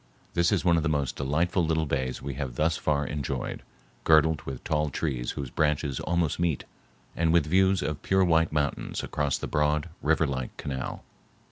This is one of the most delightful little bays we have thus far enjoyed, girdled with tall trees whose branches almost meet, and with views of pure white mountains across the broad, river like canal.